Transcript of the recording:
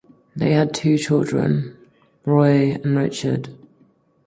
They had two children, Roy and Richard.